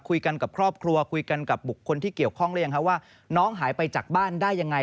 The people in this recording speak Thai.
คุยกับครอบครัวคุยกันกับบุคคลที่เกี่ยวข้องหรือยังคะว่าน้องหายไปจากบ้านได้ยังไง